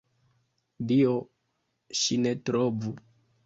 Dio, ŝi ne trovu!